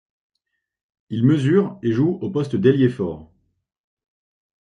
Il mesure et joue au poste d'ailier fort.